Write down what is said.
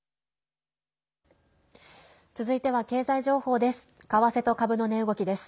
続いては経済情報です。